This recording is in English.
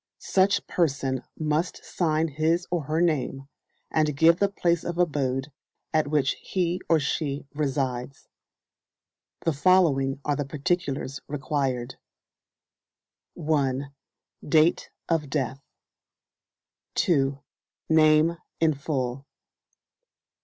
Such person must sign his or her name, and give the place of abode at which he or she resides. The following are the particulars required: 1. Date of Death. 2. Name in full.